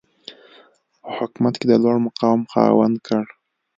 په حکومت کې د لوړمقام خاوند کړ.